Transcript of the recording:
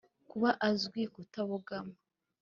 kuba azwiho kutabogama.